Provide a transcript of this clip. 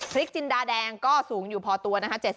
จินดาแดงก็สูงอยู่พอตัวนะคะ